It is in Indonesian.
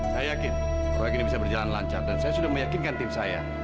saya yakin proyek ini bisa berjalan lancar dan saya sudah meyakinkan tim saya